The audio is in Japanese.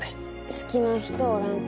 好きな人おらんと？